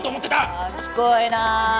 ああ聞こえない！